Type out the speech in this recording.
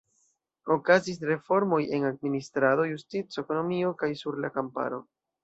Okazis reformoj en administrado, justico, ekonomio kaj sur la kamparo.